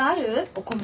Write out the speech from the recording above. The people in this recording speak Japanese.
お米。